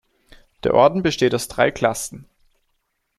Der Orden besteht aus drei Klassen.